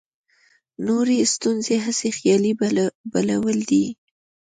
نورې ستونزې هسې خیالي بلاوې دي.